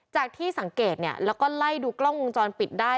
จากที่สังเกตเนี่ยแล้วก็ไล่ดูกล้องวงจรปิดได้